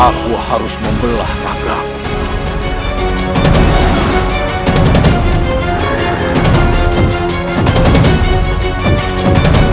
aku harus membelah ragamu